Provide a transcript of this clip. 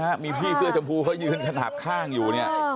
จะมีพี่เสื้อชมพูกำลังกำลังยืนคนหาบข้างอยู่